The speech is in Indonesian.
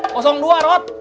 kosong dua rot